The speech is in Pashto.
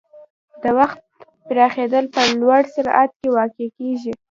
د وخت پراخېدل په لوړ سرعت کې واقع کېږي.